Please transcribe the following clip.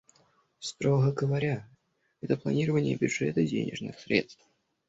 Строго говоря, это планирование бюджета денежных средств.